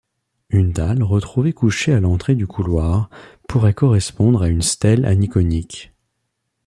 Une dalle retrouvée couchée à l'entrée du couloir pourrait correspondre à une stèle aniconique.